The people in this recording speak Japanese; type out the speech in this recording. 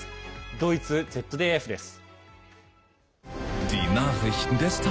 ドイツＺＤＦです。